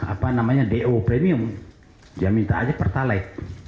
apa namanya do premium dia minta aja pertalite